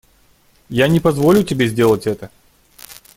Я не позволю тебе сделать это.